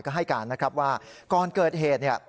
ก็ให้การว่าก่อนเกิดเหตุ